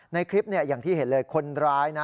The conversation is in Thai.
ในคลิปอย่างที่เห็นเลยคนร้ายนะ